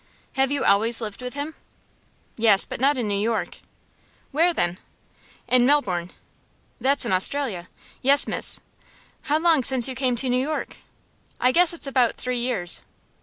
"Have you always lived with him?" "Yes, but not in New York." "Where then?" "In Melbourne." "That's in Australia." "Yes, miss." "How long since you came to New York?" "I guess it's about three years."